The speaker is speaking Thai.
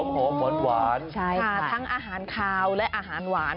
หอมหวานใช่ค่ะทั้งอาหารคาวและอาหารหวาน